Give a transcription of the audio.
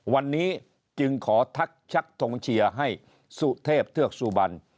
วันนี้จึงขอทักชักทงเชียร์ให้สุเทพเทือกสุบัน